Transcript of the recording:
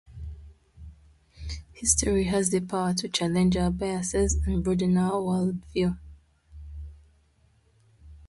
History has the power to challenge our biases and broaden our worldview.